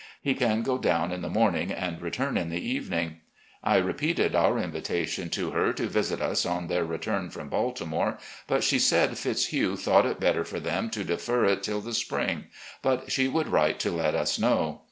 He can go down in the mor ning and return in the evening. I repeated our invitation to her to visit us on their return from Baltimore, but she said Fitzhugh thought it better for them to defer it till the spring, but she would write to let us know.